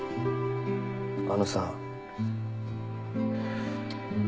あのさ。